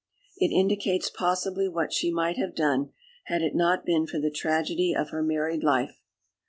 It indicates possibly what she might have done, had it not been for the tragedy of her married life.